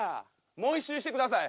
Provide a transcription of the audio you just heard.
もう１周してください。